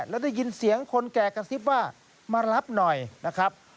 แล้วได้ยินเสียงคนแก่กระซิบว่ามารับหน่อยนะครับ